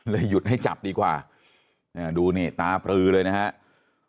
หยุดให้จับดีกว่าดูนี่ตาปลือเลยนะครับ